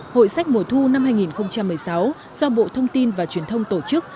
hội sách mùa thu năm hai nghìn một mươi sáu do bộ thông tin và truyền thông tổ chức